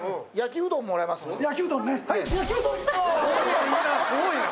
すごいな。